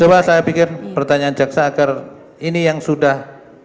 coba saya pikir pertanyaan jaksa agar ini yang sudah